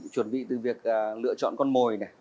chuẩn bị từ việc lựa chọn con mồi